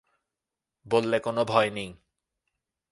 বললে কোনো ভয় নেই।